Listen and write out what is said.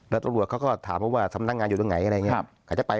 แล้วตัวหวัดเขาก็ถามว่าสำนักงานอยู่ตรงไหนอะไรอย่างเงี้ยจะไป